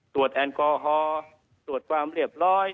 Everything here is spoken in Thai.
แอลกอฮอล์ตรวจความเรียบร้อย